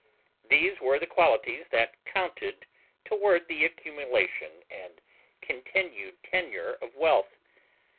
These were the qualities that counted toward the accumulation and continued tenure of wealth.